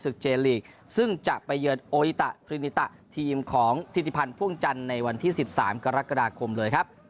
เจลีกซึ่งจะไปเยือนโออิตะครินิตะทีมของธิติพันธ์พ่วงจันทร์ในวันที่๑๓กรกฎาคมเลยครับ